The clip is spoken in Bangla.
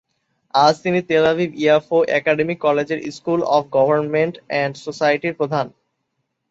আজ তিনি তেল আভিভ-ইয়াফো একাডেমিক কলেজের স্কুল অফ গভর্নমেন্ট অ্যান্ড সোসাইটির প্রধান।